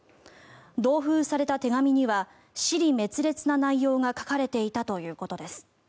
同封された手紙には支離滅裂な内容が書かれていたということです。